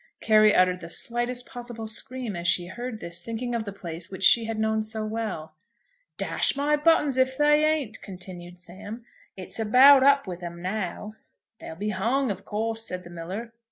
Carry uttered the slightest possible scream as she heard this, thinking of the place which she had known so well. "Dash my buttons if they ain't," continued Sam. "It's about up with 'em now." "They'll be hung of course," said the miller.